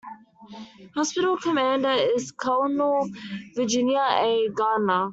Hospital Commander is Colonel Virginia A. Garner.